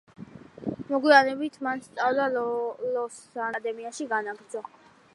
მოგვიანებით მან სწავლა ლოს-ანჯელესის მუსიკის აკადემიაში განაგრძო.